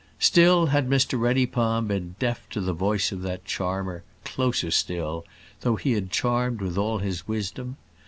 Still had Mr Reddypalm been deaf to the voice of that charmer, Closerstil, though he had charmed with all his wisdom.